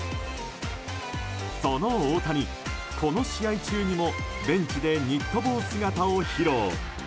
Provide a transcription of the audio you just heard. その大谷、この試合中にもベンチでニット帽姿を披露。